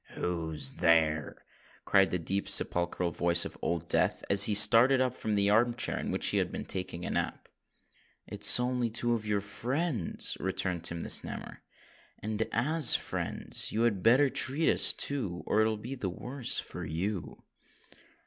"Who's there?" cried the deep, sepulchral voice of Old Death, as he started from the arm chair in which he had been taking a nap. "It's only two of your friends," returned Tim the Snammer; "and as friends you had better treat us, too—or it'll be the wuss for you."